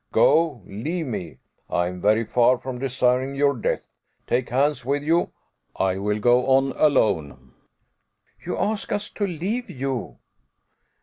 Go, leave me, I am very far from desiring your death. Take Hans with you. I will go on alone." "You ask us to leave you?"